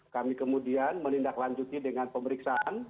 kami kemudian menindaklanjuti dengan pemeriksaan